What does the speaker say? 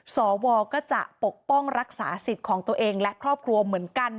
สวก็จะปกป้องรักษาสิทธิ์ของตัวเองและครอบครัวเหมือนกัน